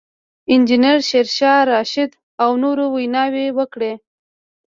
انجنیر شېرشاه رشاد او نورو ویناوې وکړې.